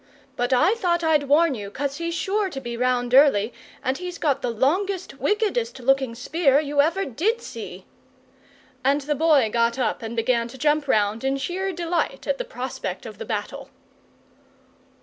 But I thought I'd warn you, 'cos he's sure to be round early, and he's got the longest, wickedest looking spear you ever did see!" And the Boy got up and began to jump round in sheer delight at the prospect of the battle.